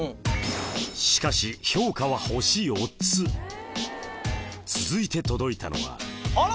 しかし評価は星４つ続いて届いたのはあら？